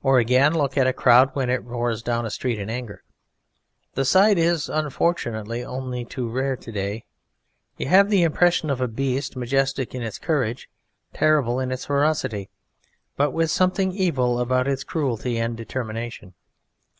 Or again, look at a crowd when it roars down a street in anger the sight is unfortunately only too rare to day you have the impression of a beast majestic in its courage, terrible in its ferocity, but with something evil about its cruelty and determination.